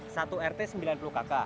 satu rt sembilan puluh kakak